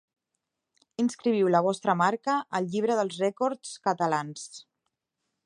Inscriviu la vostra marca al llibre dels Rècords catalans.